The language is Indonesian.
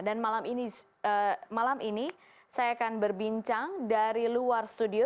malam ini saya akan berbincang dari luar studio